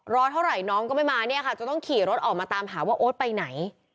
เท่าไหร่น้องก็ไม่มาเนี่ยค่ะจะต้องขี่รถออกมาตามหาว่าโอ๊ตไปไหน